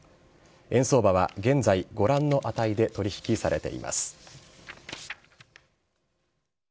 円相場は現在ご覧の値で取引されています。